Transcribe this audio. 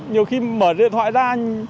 nhiều khi mở điện thoại ra